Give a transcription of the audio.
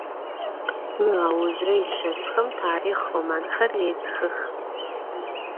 Mı aujjıre yilhesxem tarixh romanxer yêtxıx.